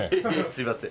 すいません。